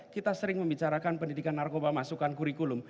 kita sering membicarakan pendidikan narkoba masukan kurikulum